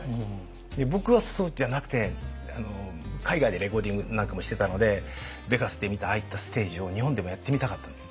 で僕はそうじゃなくて海外でレコーディングなんかもしてたのでベガスで見たああいったステージを日本でもやってみたかったんです。